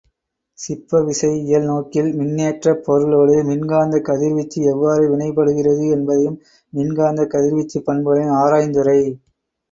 சிப்பவிசை இயல் நோக்கில் மின்னேற்றப் பொருளோடு மின்காந்தக் கதிர்வீச்சு எவ்வாறு வினைப்படுகிறது என்பதையும் மின்காந்தக் கதிர்வீச்சுப் பண்புகளையும் ஆராயுந்துறை.